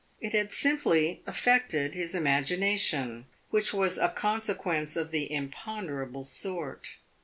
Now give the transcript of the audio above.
It had simply affected his imagination, which was a consequence of the imponderable sort.